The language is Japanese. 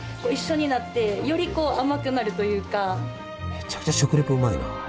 めちゃくちゃ食レポうまいな。